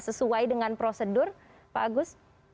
sesuai dengan prosedur pak agus